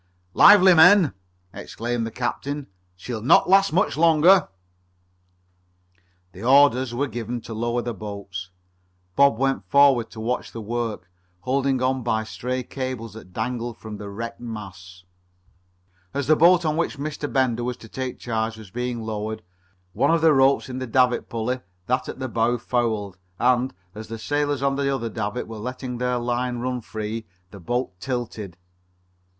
"Lively, men!" exclaimed the captain. "She'll not last much longer!" The orders were given to lower the boats. Bob went forward to watch the work, holding on by stray cables that dangled from the wrecked masts. As the boat of which Mr. Bender was to take charge was being lowered, one of the ropes in the davit pulley, that at the bow, fouled, and, as the sailors at the other davit were letting their line run free, the boat tilted.